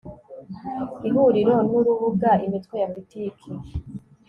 Ihuriro ni urubuga Imitwe ya Politiki